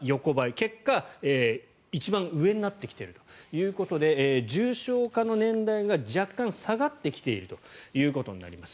結果、一番上になってきているということで重症化の年代が若干下がってきているということになります。